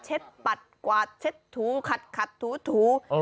ปัดกวาดเช็ดถูขัดถู